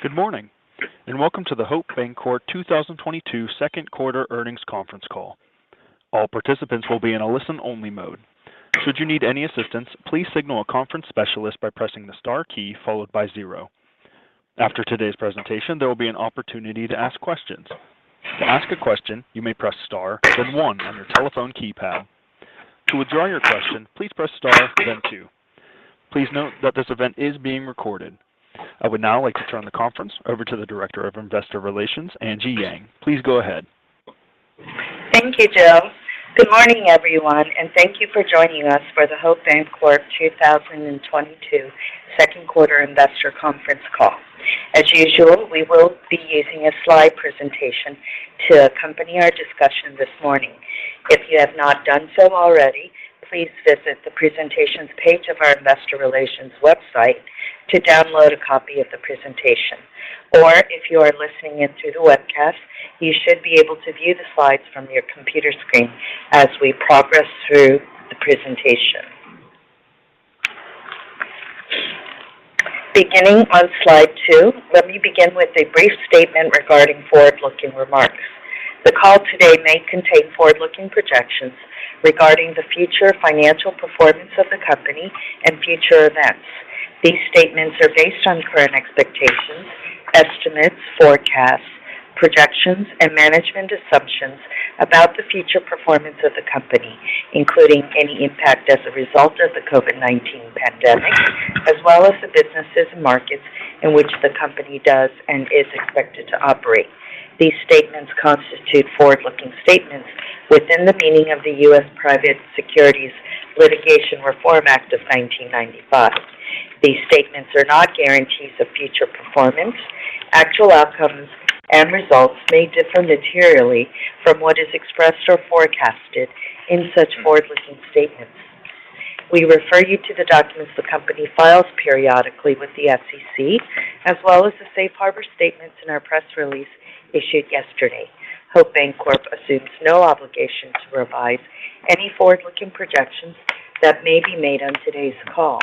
Good morning, and welcome to the Hope Bancorp 2022 second quarter earnings conference call. All participants will be in a listen-only mode. Should you need any assistance, please signal a conference specialist by pressing the star key followed by zero. After today's presentation, there will be an opportunity to ask questions. To ask a question, you may press star, then one on your telephone keypad. To withdraw your question, please press star, then two. Please note that this event is being recorded. I would now like to turn the conference over to the Director of Investor Relations, Angie Yang. Please go ahead. Thank you, Joe. Good morning, everyone, and thank you for joining us for the Hope Bancorp 2022 second quarter investor conference call. As usual, we will be using a slide presentation to accompany our discussion this morning. If you have not done so already, please visit the Presentations page of our investor relations website to download a copy of the presentation. Or if you are listening in through the webcast, you should be able to view the slides from your computer screen as we progress through the presentation. Beginning on slide two, let me begin with a brief statement regarding forward-looking remarks. The call today may contain forward-looking projections regarding the future financial performance of the company and future events. These statements are based on current expectations, estimates, forecasts, projections, and management assumptions about the future performance of the company, including any impact as a result of the COVID-19 pandemic, as well as the businesses and markets in which the company does and is expected to operate. These statements constitute forward-looking statements within the meaning of the U.S. Private Securities Litigation Reform Act of 1995. These statements are not guarantees of future performance. Actual outcomes and results may differ materially from what is expressed or forecasted in such forward-looking statements. We refer you to the documents the company files periodically with the SEC, as well as the safe harbor statements in our press release issued yesterday. Hope Bancorp assumes no obligation to revise any forward-looking projections that may be made on today's call.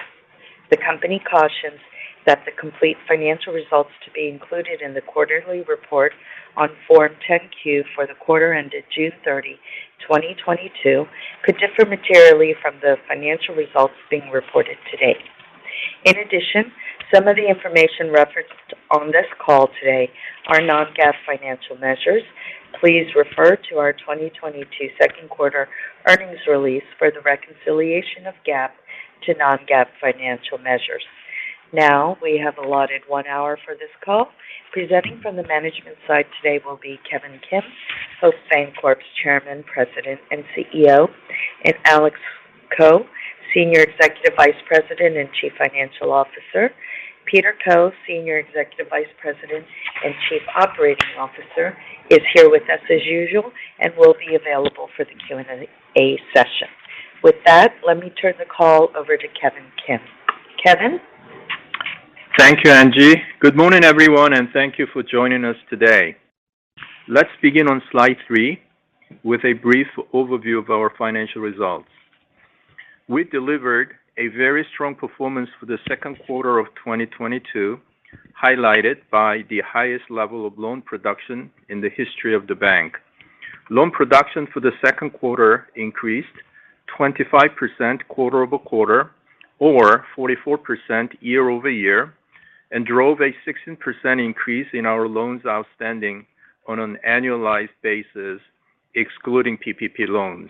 The company cautions that the complete financial results to be included in the quarterly report on Form 10-Q for the quarter ended June 30th, 2022, could differ materially from the financial results being reported today. In addition, some of the information referenced on this call today are non-GAAP financial measures. Please refer to our 2022 second quarter earnings release for the reconciliation of GAAP to non-GAAP financial measures. Now, we have allotted one hour for this call. Presenting from the management side today will be Kevin Kim, Hope Bancorp's Chairman, President, and CEO, and Alex Ko, Senior Executive Vice President and Chief Financial Officer. Peter Koh, Senior Executive Vice President and Chief Operating Officer, is here with us as usual and will be available for the Q&A session. With that, let me turn the call over to Kevin Kim. Kevin? Thank you, Angie. Good morning, everyone, and thank you for joining us today. Let's begin on slide three with a brief overview of our financial results. We delivered a very strong performance for the second quarter of 2022, highlighted by the highest level of loan production in the history of the bank. Loan production for the second quarter increased 25% quarter-over-quarter or 44% year-over-year and drove a 16% increase in our loans outstanding on an annualized basis, excluding PPP loans.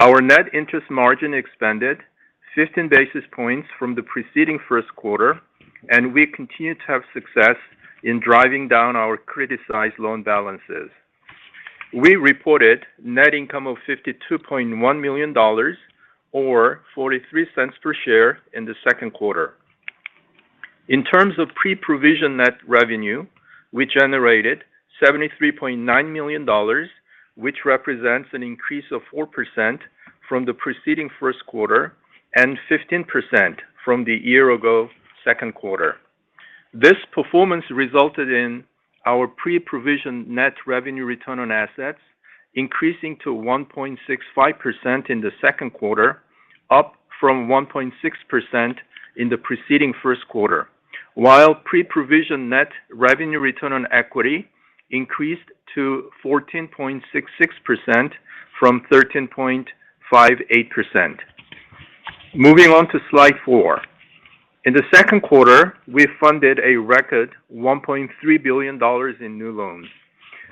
Our net interest margin expanded 15 basis points from the preceding first quarter, and we continue to have success in driving down our criticized loan balances. We reported net income of $52.1 million or $0.43 per share in the second quarter. In terms of Pre-Provision Net Revenue, we generated $73.9 million, which represents an increase of 4% from the preceding first quarter and 15% from the year ago second quarter. This performance resulted in our Pre-Provision Net Revenue return on assets increasing to 1.65% in the second quarter, up from 1.6% in the preceding first quarter. While Pre-Provision Net Revenue return on equity increased to 14.66% from 13.58%. Moving on to slide four. In the second quarter, we funded a record $1.3 billion in new loans.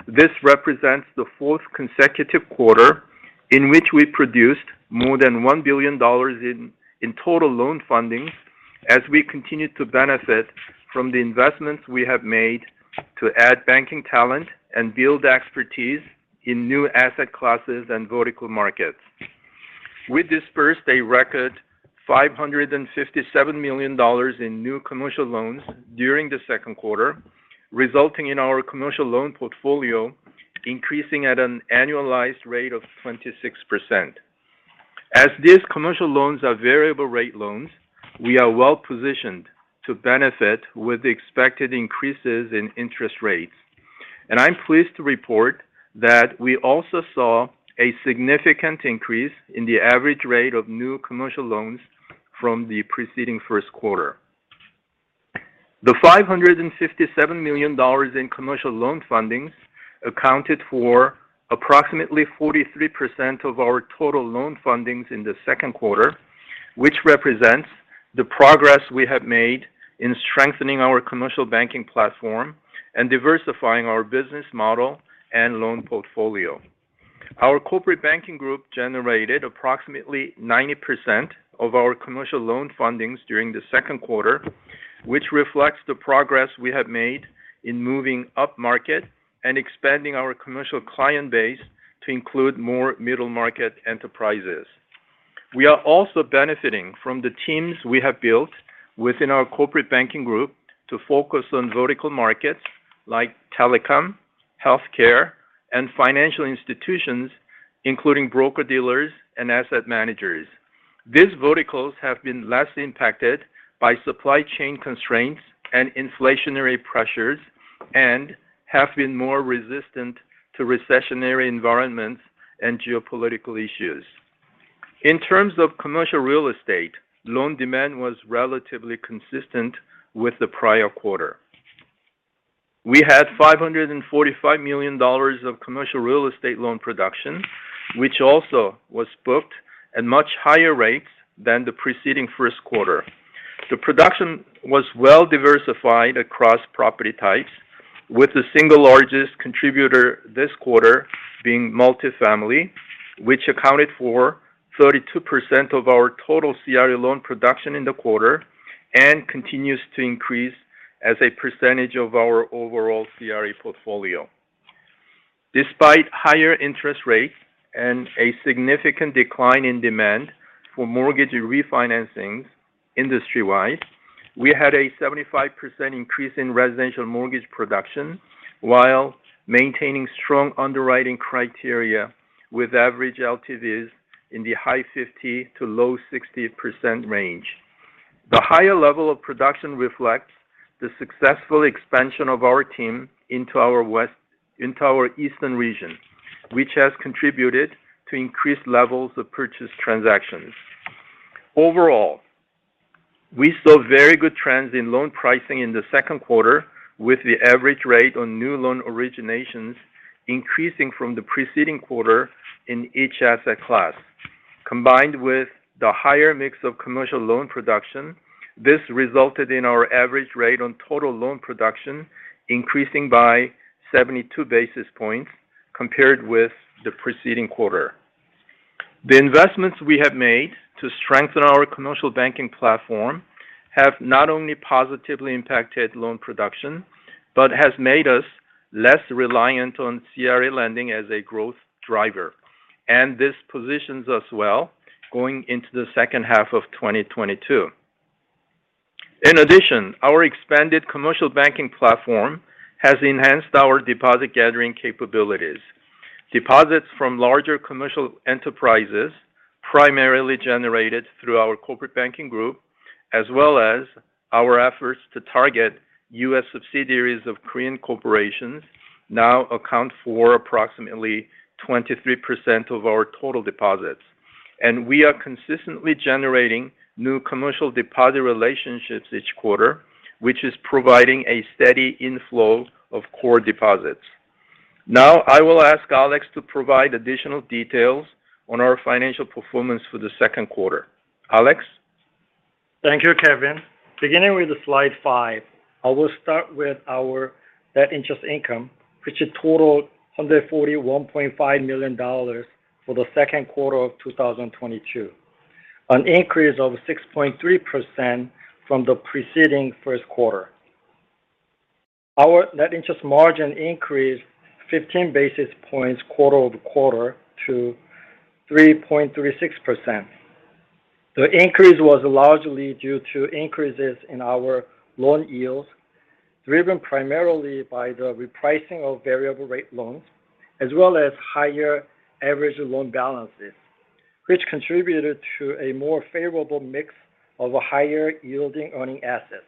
This represents the fourth consecutive quarter in which we produced more than $1 billion in total loan funding as we continue to benefit from the investments we have made to add banking talent and build expertise in new asset classes and vertical markets. We dispersed a record $557 million in new commercial loans during the second quarter, resulting in our commercial loan portfolio increasing at an annualized rate of 26%. As these commercial loans are variable rate loans, we are well-positioned to benefit with the expected increases in interest rates. I'm pleased to report that we also saw a significant increase in the average rate of new commercial loans from the preceding first quarter. The $557 million in commercial loan fundings accounted for approximately 43% of our total loan fundings in the second quarter, which represents the progress we have made in strengthening our commercial banking platform and diversifying our business model and loan portfolio. Our corporate banking group generated approximately 90% of our commercial loan fundings during the second quarter, which reflects the progress we have made in moving upmarket and expanding our commercial client base to include more middle-market enterprises. We are also benefiting from the teams we have built within our corporate banking group to focus on vertical markets like telecom, healthcare, and financial institutions, including broker-dealers and asset managers. These verticals have been less impacted by supply chain constraints and inflationary pressures, and have been more resistant to recessionary environments and geopolitical issues. In terms of commercial real estate, loan demand was relatively consistent with the prior quarter. We had $545 million of commercial real estate loan production, which also was booked at much higher rates than the preceding first quarter. The production was well diversified across property types, with the single largest contributor this quarter being multifamily, which accounted for 32% of our total CRE loan production in the quarter and continues to increase as a percentage of our overall CRE portfolio. Despite higher interest rates and a significant decline in demand for mortgage refinancing industry-wise, we had a 75% increase in residential mortgage production while maintaining strong underwriting criteria with average LTVs in the high 50% to low 60% range. The higher level of production reflects the successful expansion of our team into our eastern region, which has contributed to increased levels of purchase transactions. Overall, we saw very good trends in loan pricing in the second quarter with the average rate on new loan originations increasing from the preceding quarter in each asset class. Combined with the higher mix of commercial loan production, this resulted in our average rate on total loan production increasing by 72 basis points compared with the preceding quarter. The investments we have made to strengthen our commercial banking platform have not only positively impacted loan production, but has made us less reliant on CRE lending as a growth driver. This positions us well going into the second half of 2022. In addition, our expanded commercial banking platform has enhanced our deposit gathering capabilities. Deposits from larger commercial enterprises, primarily generated through our corporate banking group, as well as our efforts to target U.S. subsidiaries of Korean corporations now account for approximately 23% of our total deposits. We are consistently generating new commercial deposit relationships each quarter, which is providing a steady inflow of core deposits. Now, I will ask Alex to provide additional details on our financial performance for the second quarter. Alex? Thank you, Kevin. Beginning with slide five, I will start with our net interest income, which totaled $141.5 million for the second quarter of 2022, an increase of 6.3% from the preceding first quarter. Our net interest margin increased 15 basis points quarter-over-quarter to 3.36%. The increase was largely due to increases in our loan yields, driven primarily by the repricing of variable rate loans, as well as higher average loan balances, which contributed to a more favorable mix of higher yielding earning assets.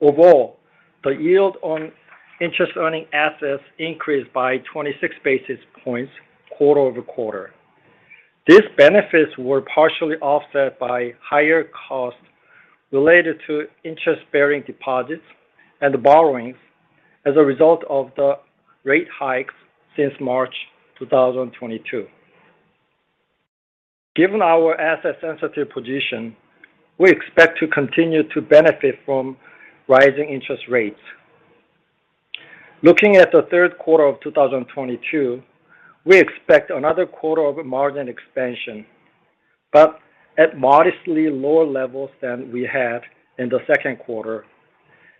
Overall, the yield on interest earning assets increased by 26 basis points quarter-over-quarter. These benefits were partially offset by higher costs related to interest-bearing deposits and borrowings as a result of the rate hikes since March 2022. Given our asset sensitive position, we expect to continue to benefit from rising interest rates. Looking at the third quarter of 2022, we expect another quarter of margin expansion, but at modestly lower levels than we had in the second quarter,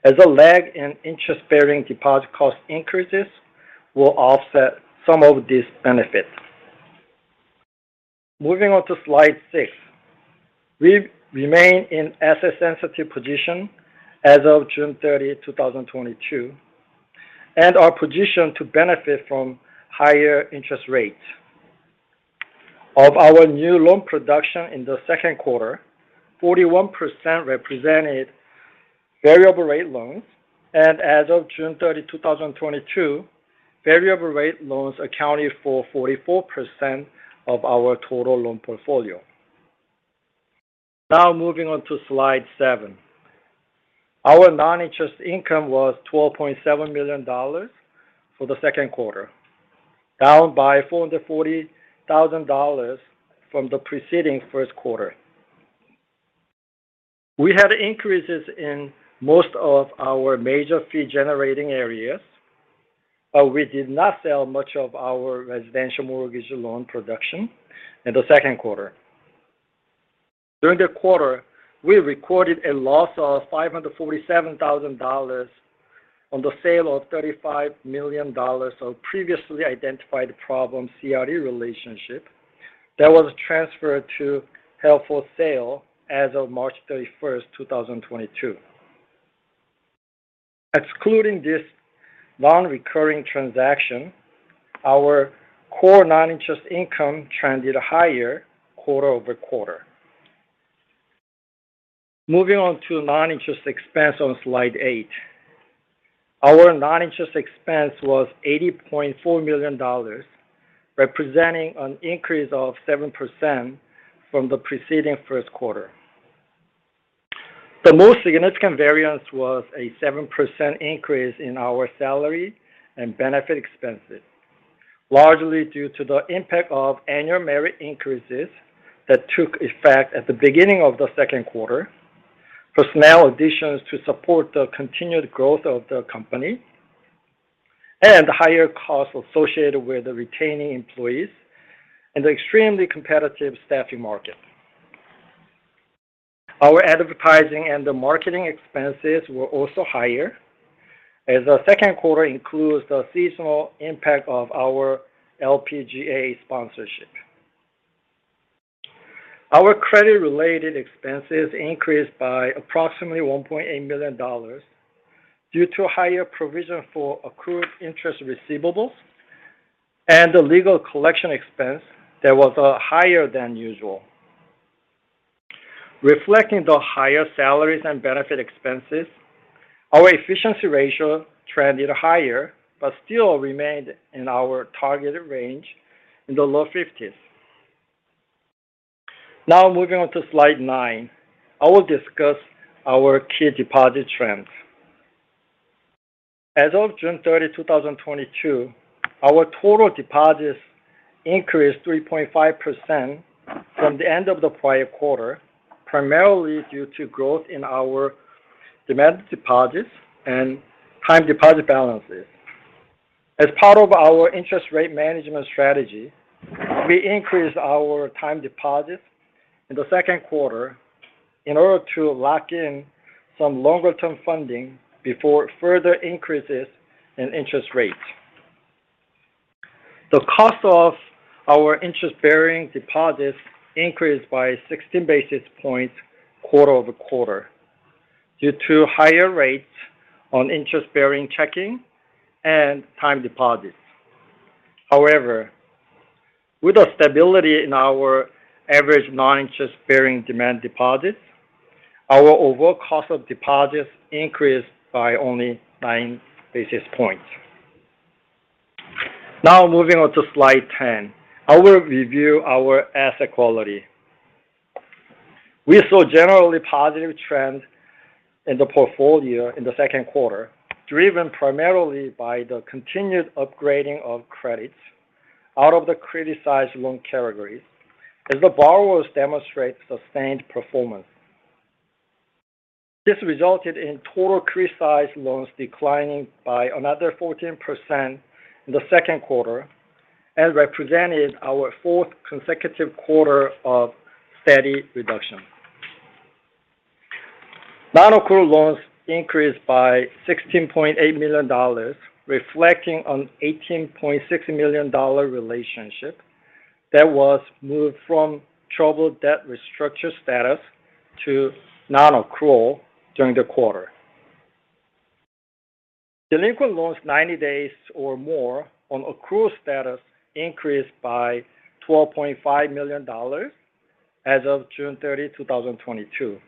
as a lag in interest-bearing deposit cost increases will offset some of these benefits. Moving on to Slide six. We remain in asset sensitive position as of June 30th, 2022, and are positioned to benefit from higher interest rates. Of our new loan production in the second quarter, 41% represented variable rate loans, and as of June 30th, 2022, variable rate loans accounted for 44% of our total loan portfolio. Now moving on to Slide seven. Our non-interest income was $12.7 million for the second quarter, down by $440,000 from the preceding first quarter. We had increases in most of our major fee generating areas, but we did not sell much of our residential mortgage loan production in the second quarter. During the quarter, we recorded a loss of $547,000 on the sale of $35 million of previously identified problem CRE relationship that was transferred to held for sale as of March 31st, 2022. Excluding this non-recurring transaction, our core non-interest income trended higher quarter-over-quarter. Moving on to non-interest expense on slide eight. Our non-interest expense was $80.4 million, representing an increase of 7% from the preceding first quarter. The most significant variance was a 7% increase in our salary and benefit expenses, largely due to the impact of annual merit increases that took effect at the beginning of the second quarter, personnel additions to support the continued growth of the company, and higher costs associated with retaining employees in the extremely competitive staffing market. Our advertising and marketing expenses were also higher, as the second quarter includes the seasonal impact of our LPGA sponsorship. Our credit-related expenses increased by approximately $1.8 million due to higher provision for accrued interest receivables and the legal collection expense that was higher than usual. Reflecting the higher salaries and benefit expenses, our efficiency ratio trended higher, but still remained in our targeted range in the low 50s. Now moving on to slide nine, I will discuss our key deposit trends. As of June 30th, 2022, our total deposits increased 3.5% from the end of the prior quarter, primarily due to growth in our demand deposits and time deposit balances. As part of our interest rate management strategy, we increased our time deposits in the second quarter in order to lock in some longer term funding before further increases in interest rates. The cost of our interest-bearing deposits increased by 60 basis points quarter-over-quarter due to higher rates on interest-bearing checking and time deposits. However, with the stability in our average non-interest-bearing demand deposits, our overall cost of deposits increased by only 9 basis points. Now moving on to slide 10, I will review our asset quality. We saw generally positive trends in the portfolio in the second quarter, driven primarily by the continued upgrading of credits out of the criticized loan categories as the borrowers demonstrate sustained performance. This resulted in total criticized loans declining by another 14% in the second quarter and represented our fourth consecutive quarter of steady reduction. Non-accrual loans increased by $16.8 million, reflecting an $18.6 million relationship that was moved from troubled debt restructuring status to non-accrual during the quarter. Delinquent loans ninety days or more on accrual status increased by $12.5 million as of June 30th, 2022.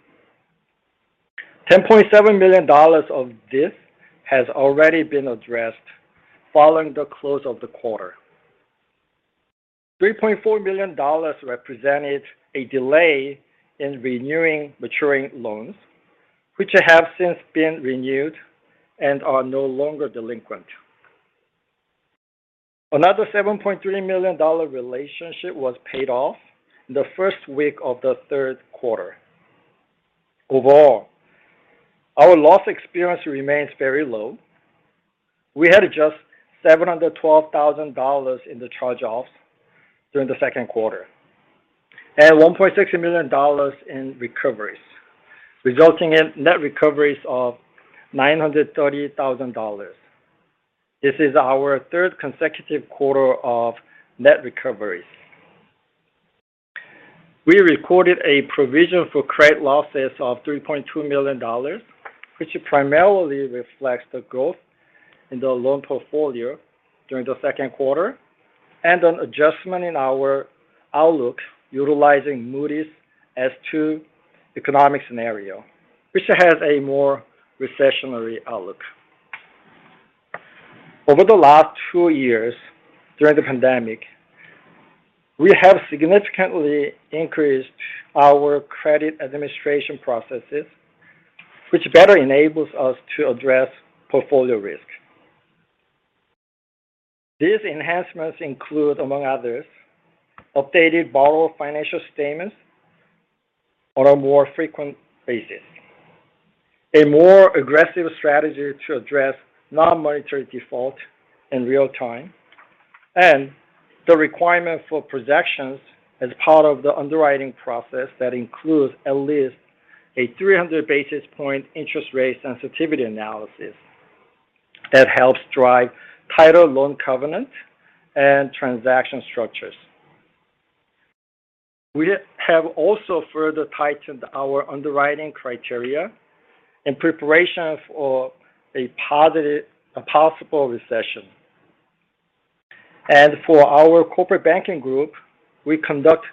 $10.7 million of this has already been addressed following the close of the quarter. $3.4 million represented a delay in renewing maturing loans, which have since been renewed and are no longer delinquent. Another $7.3 million relationship was paid off in the first week of the third quarter. Overall, our loss experience remains very low. We had just $712,000 in the charge-offs during the second quarter and $1.6 million in recoveries, resulting in net recoveries of $930,000. This is our third consecutive quarter of net recoveries. We recorded a provision for credit losses of $3.2 million, which primarily reflects the growth in the loan portfolio during the second quarter and an adjustment in our outlook utilizing Moody's S2 economic scenario, which has a more recessionary outlook. Over the last two years during the pandemic, we have significantly increased our credit administration processes, which better enables us to address portfolio risk. These enhancements include, among others, updated borrower financial statements on a more frequent basis, a more aggressive strategy to address non-monetary default in real time, and the requirement for projections as part of the underwriting process that includes at least a 300 basis point interest rate sensitivity analysis that helps drive tighter loan covenant and transaction structures. We have also further tightened our underwriting criteria in preparation for a possible recession. For our Corporate Banking Group, we conduct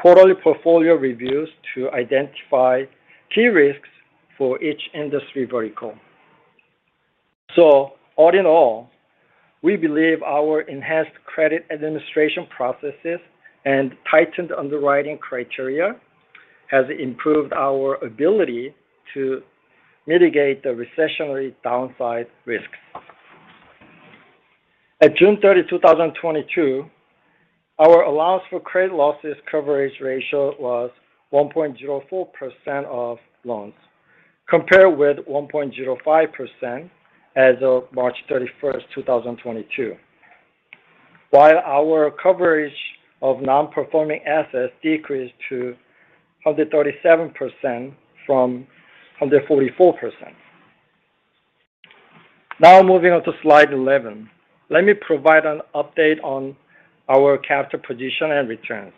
quarterly portfolio reviews to identify key risks for each industry vertical. All in all, we believe our enhanced credit administration processes and tightened underwriting criteria has improved our ability to mitigate the recessionary downside risks. At June 30th, 2022, our allowance for credit losses coverage ratio was 1.04% of loans, compared with 1.05% as of March 31st, 2022, while our coverage of non-performing assets decreased to 137% from 144%. Now moving on to slide 11. Let me provide an update on our capital position and returns.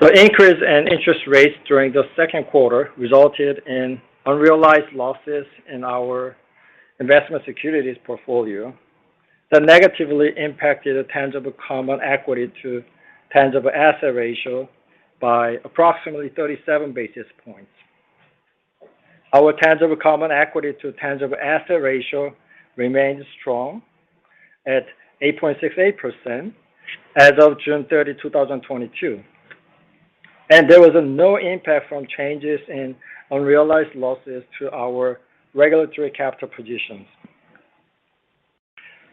The increase in interest rates during the second quarter resulted in unrealized losses in our investment securities portfolio that negatively impacted the tangible common equity to tangible asset ratio by approximately 37 basis points. Our tangible common equity to tangible asset ratio remains strong at 8.68% as of June 30th, 2022. There was no impact from changes in unrealized losses to our regulatory capital positions.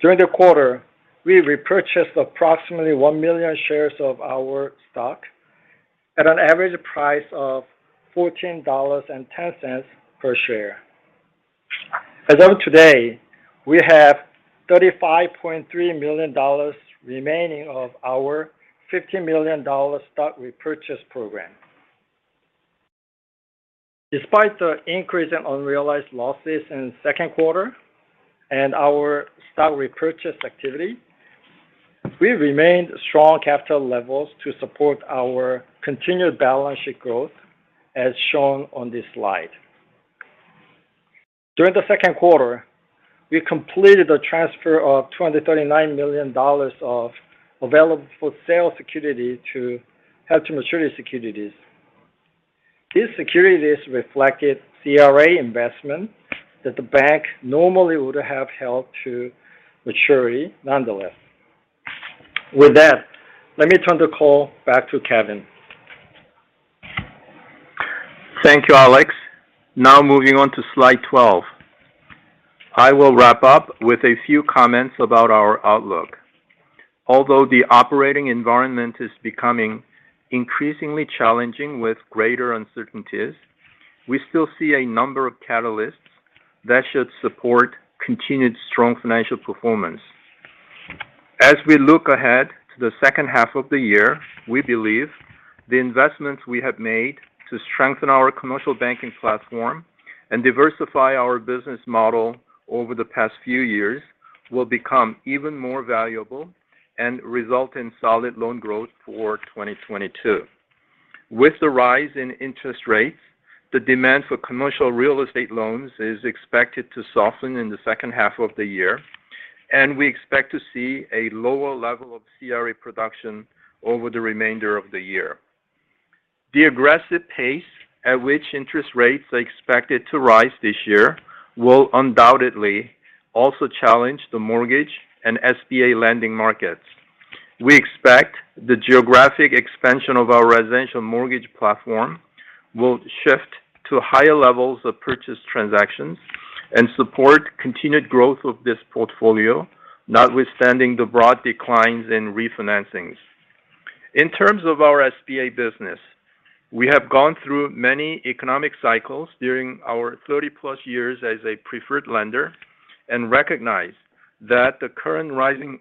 During the quarter, we repurchased approximately one million shares of our stock at an average price of $14.10 per share. As of today, we have $35.3 million remaining of our $50 million stock repurchase program. Despite the increase in unrealized losses in the second quarter and our stock repurchase activity, we remained strong capital levels to support our continued balance sheet growth, as shown on this slide. During the second quarter, we completed a transfer of $239 million of available-for-sale securities to held-to-maturity securities. These securities reflected CRA investments that the bank normally would have held to maturity nonetheless. With that, let me turn the call back to Kevin. Thank you, Alex. Now moving on to slide 12. I will wrap up with a few comments about our outlook. Although the operating environment is becoming increasingly challenging with greater uncertainties, we still see a number of catalysts that should support continued strong financial performance. As we look ahead to the second half of the year, we believe the investments we have made to strengthen our commercial banking platform and diversify our business model over the past few years will become even more valuable and result in solid loan growth for 2022. With the rise in interest rates, the demand for commercial real estate loans is expected to soften in the second half of the year, and we expect to see a lower level of CRE production over the remainder of the year. The aggressive pace at which interest rates are expected to rise this year will undoubtedly also challenge the mortgage and SBA lending markets. We expect the geographic expansion of our residential mortgage platform will shift to higher levels of purchase transactions and support continued growth of this portfolio, notwithstanding the broad declines in refinancings. In terms of our SBA business, we have gone through many economic cycles during our 30+ years as a preferred lender and recognize that the current rising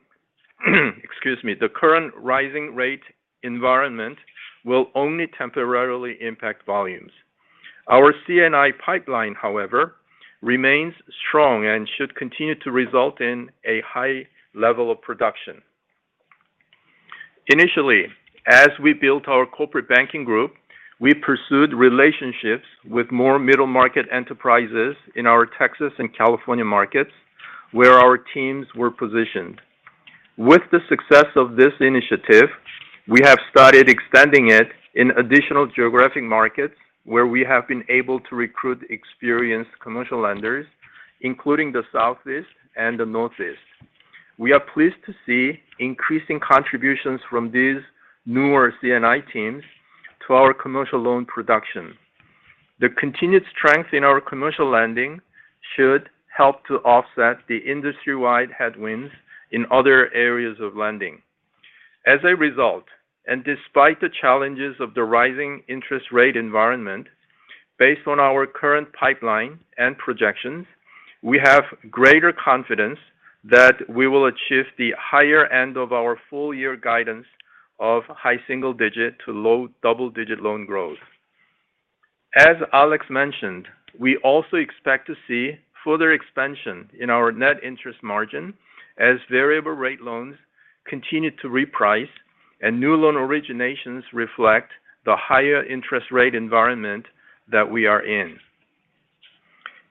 rate environment will only temporarily impact volumes. Our C&I pipeline, however, remains strong and should continue to result in a high level of production. Initially, as we built our corporate banking group, we pursued relationships with more middle market enterprises in our Texas and California markets where our teams were positioned. With the success of this initiative, we have started extending it in additional geographic markets where we have been able to recruit experienced commercial lenders, including the Southeast and the Northeast. We are pleased to see increasing contributions from these newer C&I teams to our commercial loan production. The continued strength in our commercial lending should help to offset the industry-wide headwinds in other areas of lending. As a result, and despite the challenges of the rising interest rate environment, based on our current pipeline and projections, we have greater confidence that we will achieve the higher end of our full year guidance of high single digit to low double-digit loan growth. As Alex mentioned, we also expect to see further expansion in our net interest margin as variable rate loans continue to reprice and new loan originations reflect the higher interest rate environment that we are in.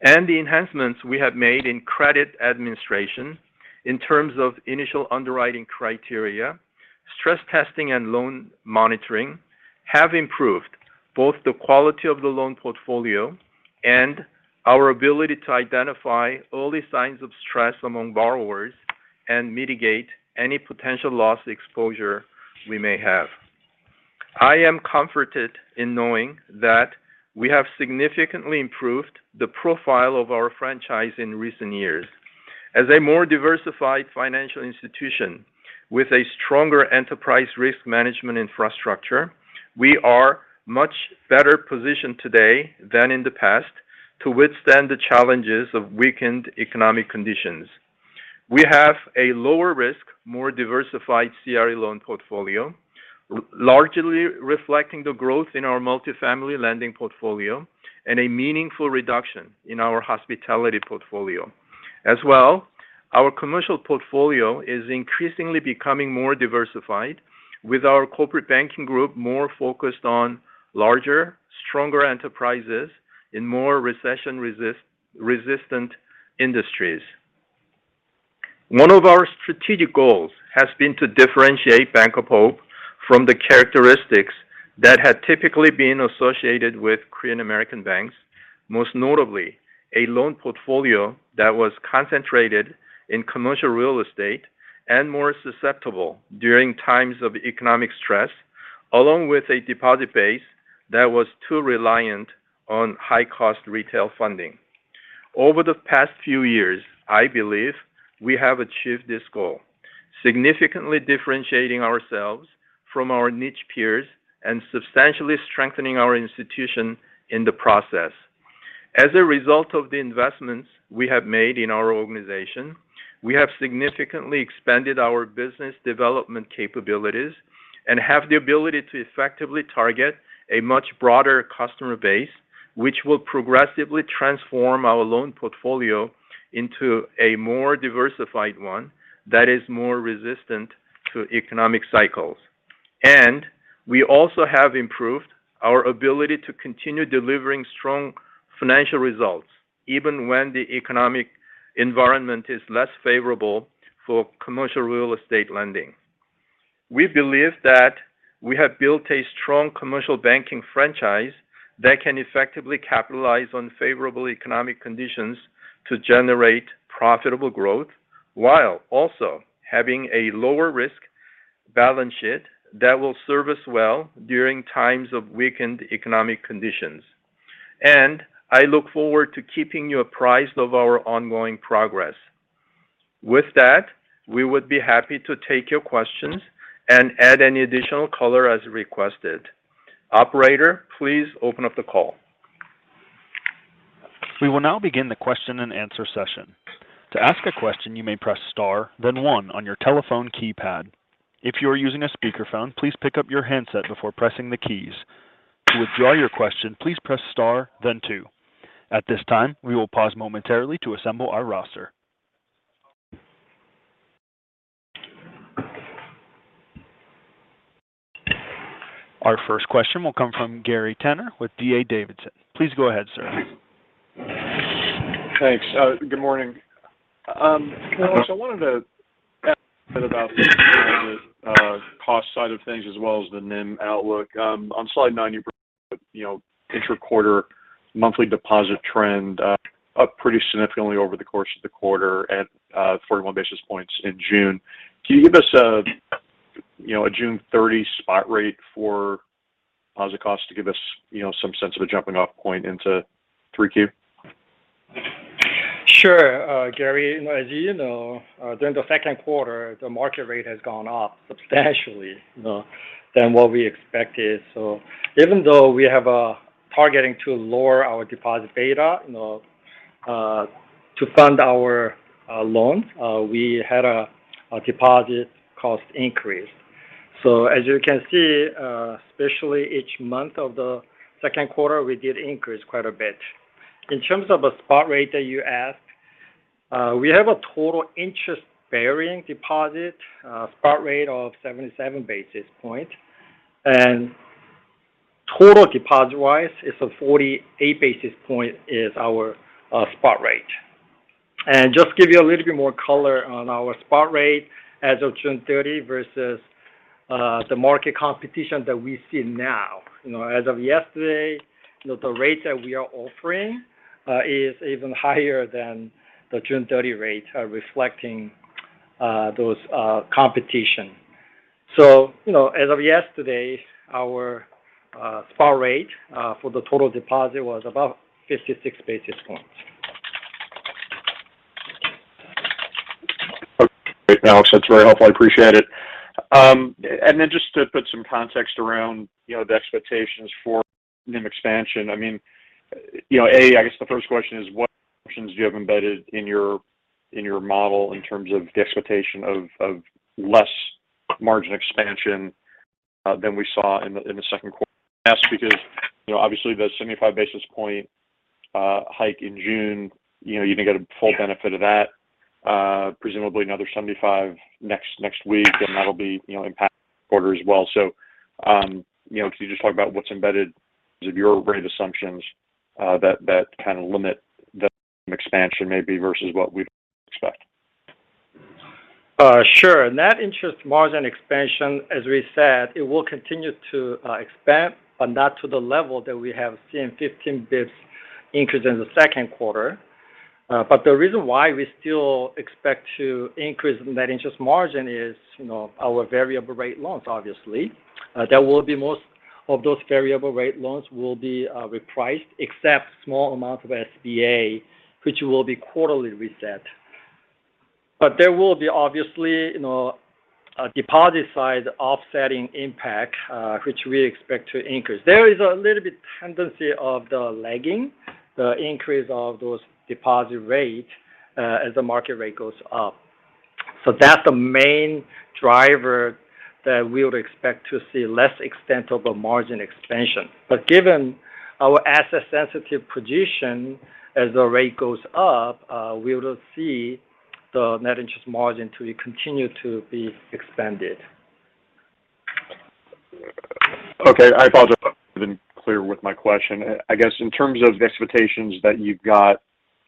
The enhancements we have made in credit administration in terms of initial underwriting criteria, stress testing and loan monitoring have improved both the quality of the loan portfolio and our ability to identify early signs of stress among borrowers and mitigate any potential loss exposure we may have. I am comforted in knowing that we have significantly improved the profile of our franchise in recent years. As a more diversified financial institution with a stronger enterprise risk management infrastructure, we are much better positioned today than in the past to withstand the challenges of weakened economic conditions. We have a lower risk, more diversified CRE loan portfolio, largely reflecting the growth in our multifamily lending portfolio and a meaningful reduction in our hospitality portfolio. As well, our commercial portfolio is increasingly becoming more diversified with our corporate banking group more focused on larger, stronger enterprises in more recession-resistant industries. One of our strategic goals has been to differentiate Bank of Hope from the characteristics that had typically been associated with Korean-American banks, most notably a loan portfolio that was concentrated in commercial real estate and more susceptible during times of economic stress, along with a deposit base that was too reliant on high-cost retail funding. Over the past few years, I believe we have achieved this goal, significantly differentiating ourselves from our niche peers and substantially strengthening our institution in the process. As a result of the investments we have made in our organization, we have significantly expanded our business development capabilities and have the ability to effectively target a much broader customer base, which will progressively transform our loan portfolio into a more diversified one that is more resistant to economic cycles. We also have improved our ability to continue delivering strong financial results even when the economic environment is less favorable for commercial real estate lending. We believe that we have built a strong commercial banking franchise that can effectively capitalize on favorable economic conditions to generate profitable growth while also having a lower risk balance sheet that will serve us well during times of weakened economic conditions. I look forward to keeping you apprised of our ongoing progress. With that, we would be happy to take your questions and add any additional color as requested. Operator, please open up the call. We will now begin the question and answer session. To ask a question, you may press star, then one on your telephone keypad. If you are using a speakerphone, please pick up your handset before pressing the keys. To withdraw your question, please press star then two. At this time, we will pause momentarily to assemble our roster. Our first question will come from Gary Tenner with D.A. Davidson. Please go ahead, sir. Thanks. Good morning. So I wanted to ask a bit about the cost side of things as well as the NIM outlook. On slide nine, you provided, you know, intra-quarter monthly deposit trend up pretty significantly over the course of the quarter at 41 basis points in June. Can you give us a, you know, a June 30th spot rate for deposit cost to give us, you know, some sense of a jumping off point into 3Q? Sure. Gary, as you know, during the second quarter, the market rate has gone up substantially, you know, than what we expected. Even though we have a targeting to lower our deposit beta, you know, to fund our loans, we had a deposit cost increase. As you can see, especially each month of the second quarter, we did increase quite a bit. In terms of the spot rate that you asked, we have a total interest-bearing deposit spot rate of 77 basis point. Total deposit-wise, it's a 48 basis point is our spot rate. Just give you a little bit more color on our spot rate as of June 30th versus the market competition that we see now. You know, as of yesterday, you know, the rate that we are offering is even higher than the June 30th rate, reflecting those competition. You know, as of yesterday, our spot rate for the total deposit was about 56 basis points. Okay, Alex, that's very helpful. I appreciate it. Then just to put some context around, you know, the expectations for NIM expansion. I mean, you know, I guess the first question is, what assumptions do you have embedded in your model in terms of the expectation of less margin expansion than we saw in the second quarter? Because, you know, obviously the 75 basis point hike in June, you know, you didn't get a full benefit of that. Presumably another 75 next week, and that'll impact the quarter as well. So, you know, can you just talk about what's embedded in terms of your rate assumptions that kind of limit the expansion maybe versus what we'd expect? Sure. Net interest margin expansion, as we said, it will continue to expand, but not to the level that we have seen 15 basis points increase in the second quarter. The reason why we still expect to increase net interest margin is, you know, our variable rate loans, obviously. There will be most of those variable rate loans will be repriced except small amount of SBA, which will be quarterly reset. There will be obviously, you know, a deposit side offsetting impact, which we expect to increase. There is a little bit tendency of the lagging, the increase of those deposit rate, as the market rate goes up. That's the main driver that we would expect to see less extent of a margin expansion. Given our asset sensitive position as the rate goes up, we will see the net interest margin to continue to be expanded. Okay. I apologize if I'm not clear with my question. I guess in terms of the expectations that you've got,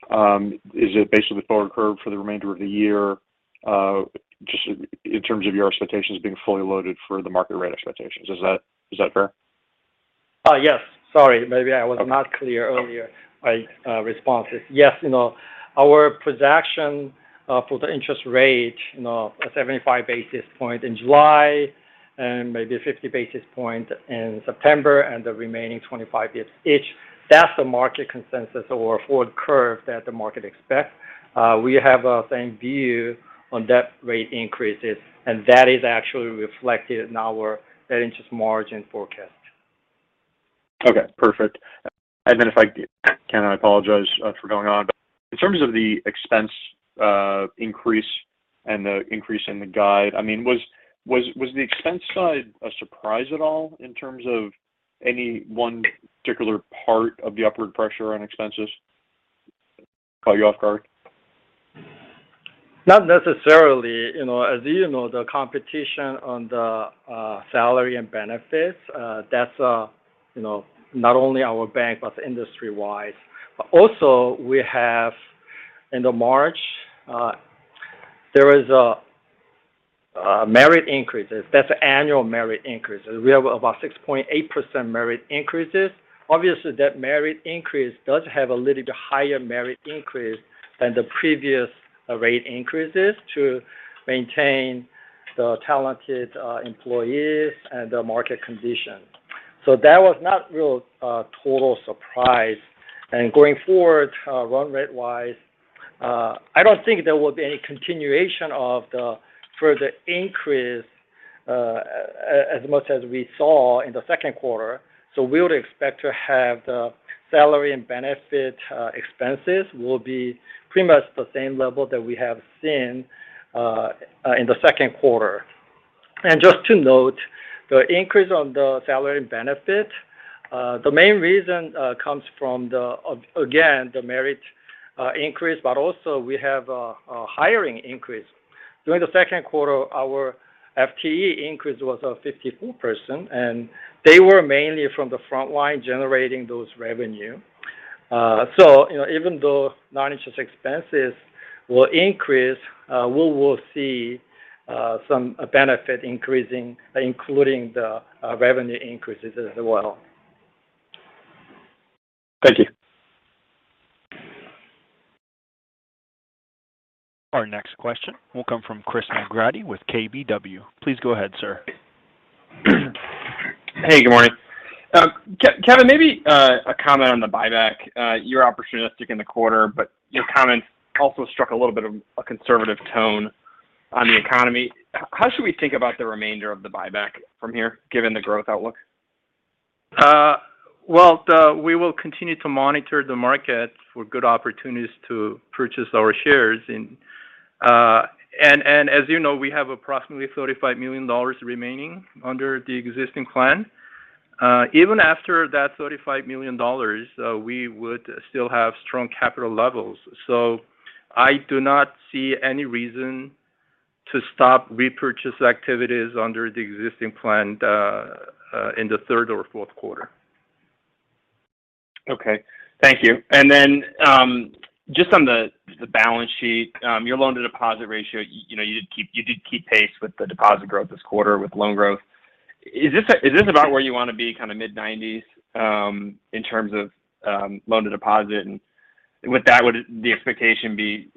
is it basically the forward curve for the remainder of the year, just in terms of your expectations being fully loaded for the market rate expectations? Is that fair? Yes. Sorry, maybe I was not clear earlier my responses. Yes. You know, our projection for the interest rate, you know, a 75 basis points in July and maybe a 50 basis points in September and the remaining 25 basis points each, that's the market consensus or forward curve that the market expects. We have the same view on Fed rate increases, and that is actually reflected in our net interest margin forecast. Okay. Perfect. If I can, I apologize for going on. In terms of the expense increase and the increase in the guide, I mean, was the expense side a surprise at all in terms of any one particular part of the upward pressure on expenses? Caught you off guard? Not necessarily. You know, as you know, the competition on the salary and benefits, that's, you know, not only our bank, but industry-wise. Also, we have end-of-March merit increases. That's annual merit increases. We have about 6.8% merit increases. Obviously, that merit increase does have a little higher merit increase than the previous rate increases to maintain the talented employees and the market condition. That was not really total surprise. Going forward, run rate-wise, I don't think there will be any continuation of the further increase as much as we saw in the second quarter. We would expect to have the salary and benefit expenses will be pretty much the same level that we have seen in the second quarter. Just to note, the increase on the salary and benefit, the main reason comes from the again, the merit increase, but also we have a hiring increase. During the second quarter, our FTE increase was 54 person, and they were mainly from the front line generating those revenue. So, you know, even though non-interest expenses will increase, we will see some benefit increasing, including the revenue increases as well. Thank you. Our next question will come from Christopher McGratty with KBW. Please go ahead, sir. Hey, good morning. Kevin, maybe a comment on the buyback. You're opportunistic in the quarter, but your comments also struck a little bit of a conservative tone on the economy. How should we think about the remainder of the buyback from here, given the growth outlook? Well, we will continue to monitor the market for good opportunities to purchase our shares. As you know, we have approximately $35 million remaining under the existing plan. Even after that $35 million, we would still have strong capital levels. I do not see any reason to stop repurchase activities under the existing plan in the third or fourth quarter. Okay. Thank you. Just on the balance sheet, your loan to deposit ratio, you know, you did keep pace with the deposit growth this quarter with loan growth. Is this about where you want to be, kind of mid-nineties, in terms of loan to deposit? With that, would the expectation be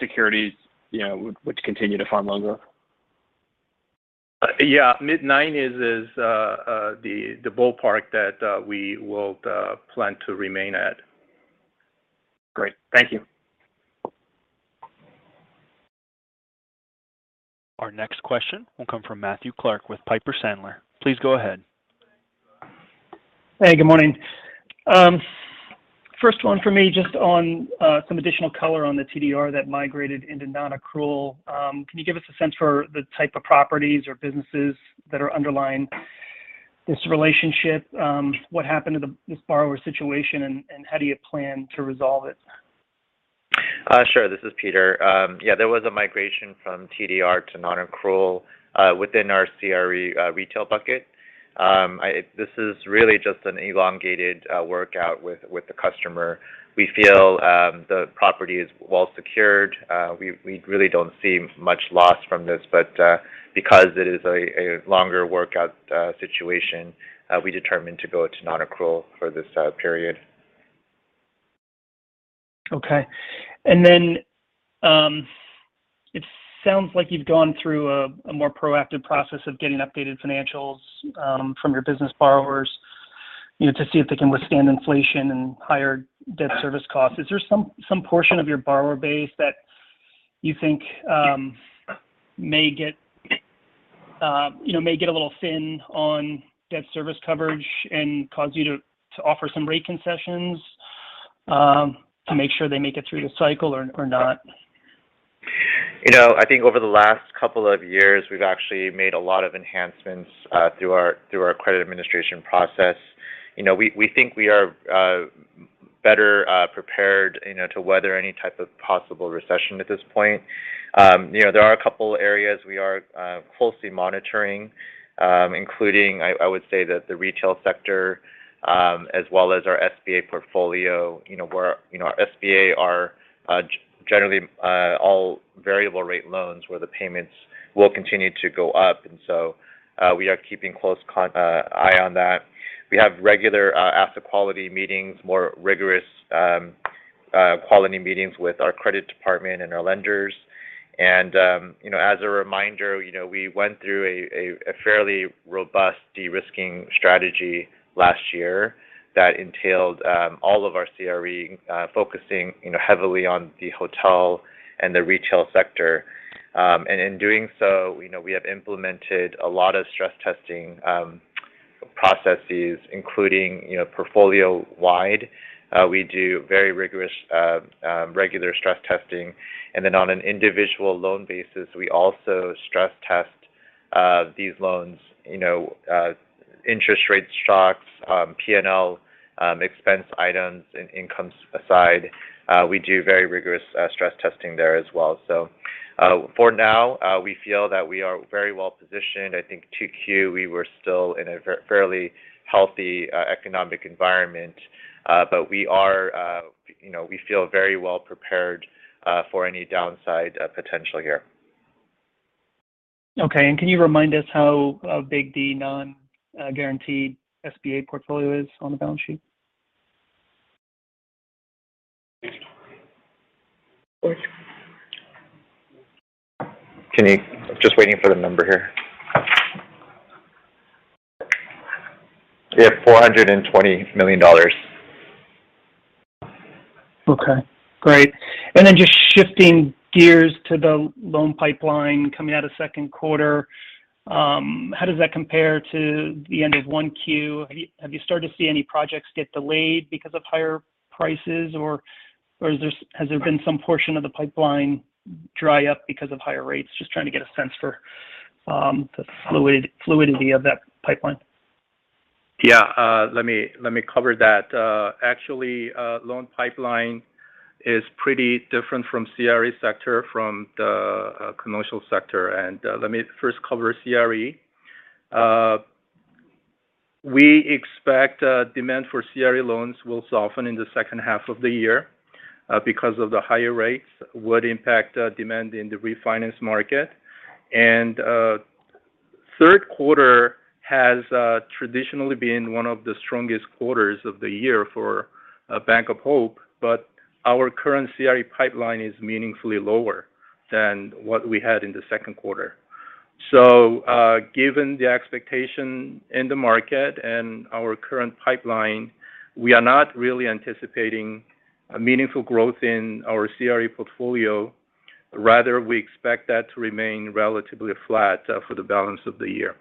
securities, you know, would continue to fund loan growth? Yeah. Mid-nineties is the ballpark that we will plan to remain at. Great. Thank you. Our next question will come from Matthew Clark with Piper Sandler. Please go ahead. Hey, good morning. First one for me, just on some additional color on the TDR that migrated into nonaccrual. Can you give us a sense for the type of properties or businesses that are underlying this relationship? What happened to this borrower situation, and how do you plan to resolve it? Sure. This is Peter. Yeah, there was a migration from TDR to nonaccrual within our CRE retail bucket. This is really just an elongated workout with the customer. We feel the property is well secured. We really don't see much loss from this, but because it is a longer workout situation, we determined to go to nonaccrual for this period. Okay. It sounds like you've gone through a more proactive process of getting updated financials from your business borrowers, you know, to see if they can withstand inflation and higher debt service costs. Is there some portion of your borrower base that you think, you know, may get a little thin on debt service coverage and cause you to offer some rate concessions to make sure they make it through the cycle or not? You know, I think over the last couple of years, we've actually made a lot of enhancements through our credit administration process. You know, we think we are better prepared, you know, to weather any type of possible recession at this point. You know, there are a couple areas we are closely monitoring, including, I would say that the retail sector, as well as our SBA portfolio. You know, our SBA are generally all variable rate loans where the payments will continue to go up. We are keeping close eye on that. We have regular asset quality meetings, more rigorous quality meetings with our credit department and our lenders. As a reminder, you know, we went through a fairly robust de-risking strategy last year that entailed all of our CRE, focusing you know heavily on the hotel and the retail sector. In doing so, you know, we have implemented a lot of stress testing processes, including you know portfolio-wide. We do very rigorous regular stress testing. On an individual loan basis, we also stress test these loans, you know interest rate shocks, P&L, expense items, income aside. We do very rigorous stress testing there as well. For now, we feel that we are very well-positioned. I think 2Q, we were still in a fairly healthy economic environment. We are, you know, we feel very well prepared for any downside potential here. Okay. Can you remind us how big the non guaranteed SBA portfolio is on the balance sheet? Just waiting for the number here. Yeah, $420 million. Okay, great. Then just shifting gears to the loan pipeline coming out of second quarter, how does that compare to the end of 1Q? Have you started to see any projects get delayed because of higher prices or has there been some portion of the pipeline dry up because of higher rates? Just trying to get a sense for the fluidity of that pipeline. Yeah. Let me cover that. Actually, loan pipeline is pretty different from CRE sector, from the commercial sector. Let me first cover CRE. We expect demand for CRE loans will soften in the second half of the year because of the higher rates would impact demand in the refinance market. Third quarter has traditionally been one of the strongest quarters of the year for Bank of Hope, but our current CRE pipeline is meaningfully lower than what we had in the second quarter. Given the expectation in the market and our current pipeline, we are not really anticipating a meaningful growth in our CRE portfolio. Rather, we expect that to remain relatively flat for the balance of the year.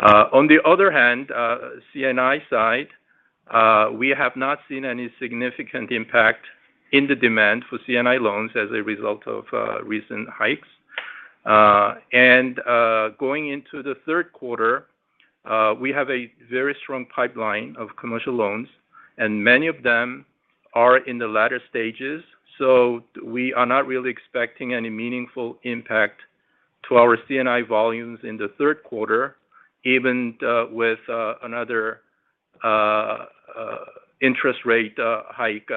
On the other hand, C&I side, we have not seen any significant impact in the demand for C&I loans as a result of recent hikes. Going into the third quarter, we have a very strong pipeline of commercial loans, and many of them are in the latter stages, so we are not really expecting any meaningful impact to our C&I volumes in the third quarter, even with another interest rate hike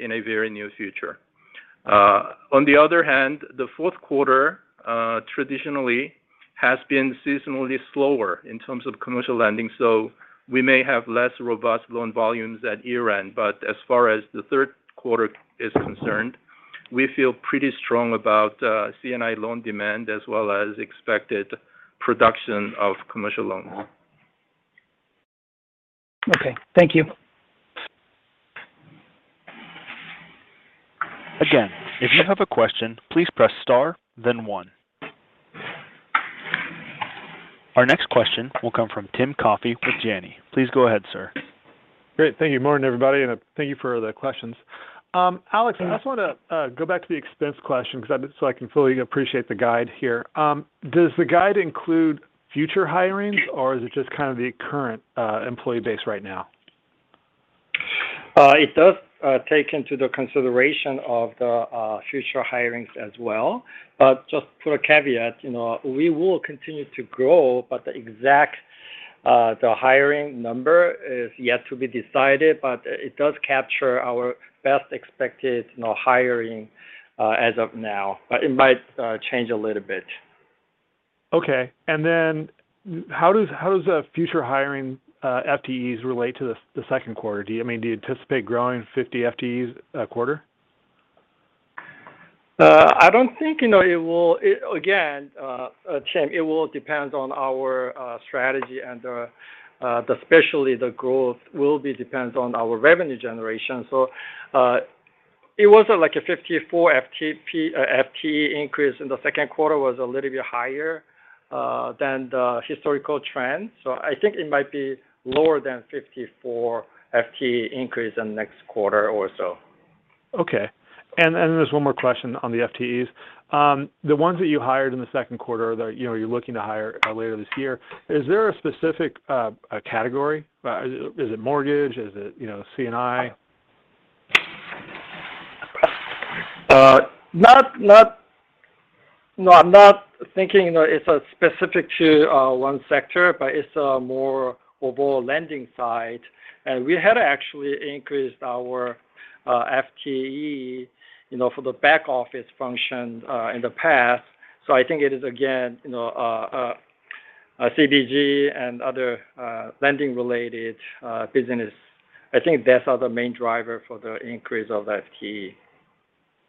in the very near future. On the other hand, the fourth quarter traditionally has been seasonally slower in terms of commercial lending, so we may have less robust loan volumes at year-end. As far as the third quarter is concerned, we feel pretty strong about C&I loan demand as well as expected production of commercial loans. Okay. Thank you. Again, if you have a question, please press star then one. Our next question will come from Tim Coffey with Janney. Please go ahead, sir. Great. Thank you. Morning, everybody, and thank you for the questions. Alex, I just wanna go back to the expense question 'cause so I can fully appreciate the guide here. Does the guide include future hirings or is it just kind of the current employee base right now? It does take into the consideration of the future hirings as well. Just for a caveat, you know, we will continue to grow, but the exact hiring number is yet to be decided, but it does capture our best expected, you know, hiring as of now. It might change a little bit. Okay. Then how does the future hiring FTEs relate to the second quarter? Do you, I mean, do you anticipate growing 50 FTEs a quarter? I don't think, you know, it will. It again, Tim, it will depends on our strategy and the especially the growth will be depends on our revenue generation. It was like a 54 FTE increase, and the second quarter was a little bit higher than the historical trend. I think it might be lower than 54 FTE increase in next quarter or so. There's one more question on the FTEs. The ones that you hired in the second quarter that, you know, you're looking to hire later this year, is there a specific category? Is it mortgage? Is it, you know, C&I? No, I'm not thinking, you know, it's specific to one sector, but it's a more overall lending side. We had actually increased our FTE, you know, for the back office function in the past, so I think it is again, you know, a CBG and other lending related business. I think that's the main driver for the increase of FTE.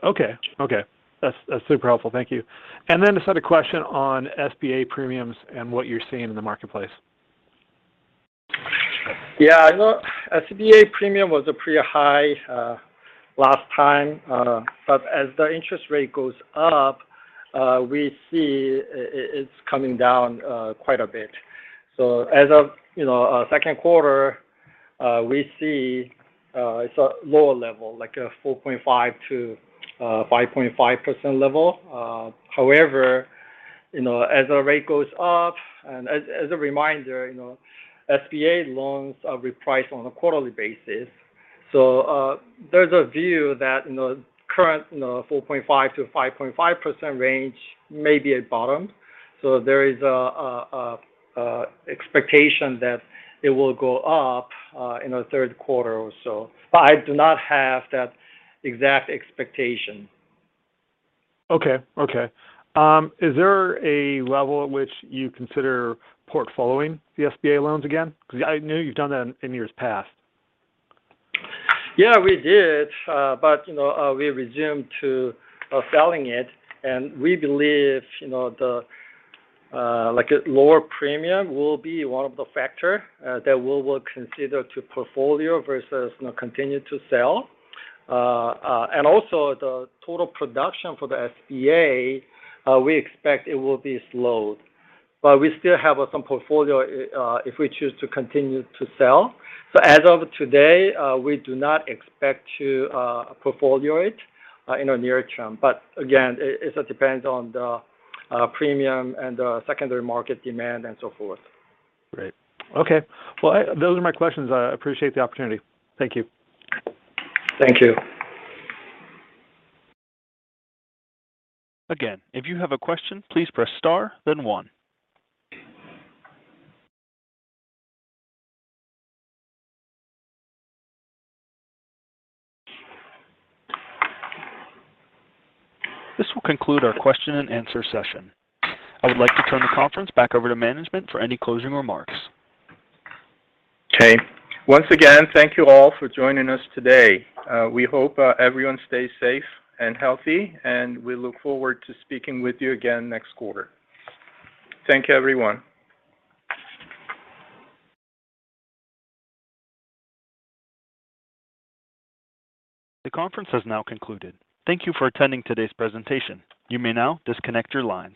Okay. That's super helpful. Thank you. Just had a question on SBA premiums and what you're seeing in the marketplace. Yeah. Look, SBA premium was pretty high last time. As the interest rate goes up, we see it's coming down quite a bit. As of you know second quarter, we see it's a lower level, like a 4.5%-5.5% level. However, you know, as the rate goes up, and as a reminder, you know, SBA loans are repriced on a quarterly basis. There's a view that you know current 4.5%-5.5% range may be at bottom. There is an expectation that it will go up in the third quarter or so. I do not have that exact expectation. Okay. Is there a level at which you consider portfolio following the SBA loans again? Because I know you've done that in years past. Yeah, we did. You know, we resumed to selling it, and we believe, you know, like a lower premium will be one of the factor that we will consider to portfolio versus, you know, continue to sell. Also the total production for the SBA, we expect it will be slow. We still have some portfolio, if we choose to continue to sell. As of today, we do not expect to portfolio it in the near term. Again, it just depends on the premium and the secondary market demand and so forth. Great. Okay. Well, those are my questions. I appreciate the opportunity. Thank you. Thank you. Again, if you have a question, please press star then one. This will conclude our question and answer session. I would like to turn the conference back over to management for any closing remarks. Okay. Once again, thank you all for joining us today. We hope everyone stays safe and healthy, and we look forward to speaking with you again next quarter. Thank you, everyone. The conference has now concluded. Thank you for attending today's presentation. You may now disconnect your line.